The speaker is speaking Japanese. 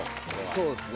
そうですね。